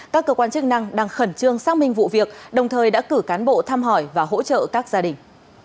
các cơ quan chức năng đang khẩn trương xác minh vụ việc đồng thời đã cử cán bộ thăm hỏi và hỗ trợ các gia đình